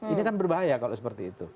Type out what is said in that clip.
ini kan berbahaya kalau seperti itu